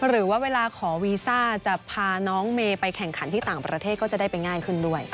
หรือว่าเวลาขอวีซ่าจะพาน้องเมย์ไปแข่งขันที่ต่างประเทศก็จะได้ไปง่ายขึ้นด้วย